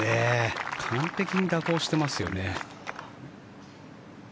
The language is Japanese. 完璧に蛇行してますよね。